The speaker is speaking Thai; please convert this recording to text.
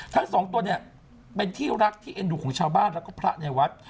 ทั้งสองตัวเนี่ยเป็นที่รักที่เอ็นดูของชาวบ้านแล้วก็พระในวัด